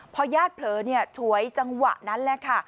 พอญาติเผลอฉวยจังหวะนั้นแหละค่ะ